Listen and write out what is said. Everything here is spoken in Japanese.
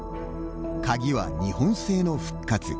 鍵は日本製の復活。